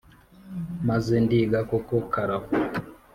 maze ndiga koko karava.